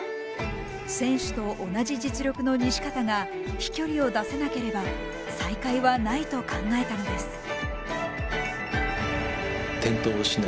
選手と同じ実力の西方が飛距離を出せなければ再開はないと考えたのです。